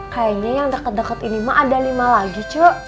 kayaknya yang deket deket ini mah ada lima lagi coba